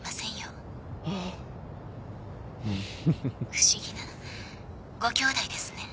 不思議なご兄弟ですね。